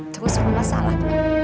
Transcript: terus mama salah